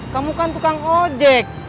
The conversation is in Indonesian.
kamu kan tukang ojek